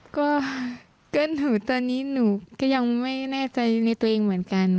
ก็เกิ้ลหูตอนนี้หนูก็ยังไม่แน่ใจในตัวเองเหมือนกัน